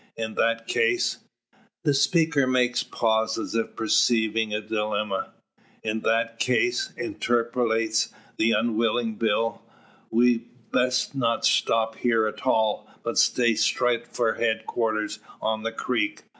In that case " The speaker makes pause, as if perceiving a dilemma. "In that case," interpolates the unwilling Bill, "we'd best not stop heer at all, but put straight for head quarters on the creek.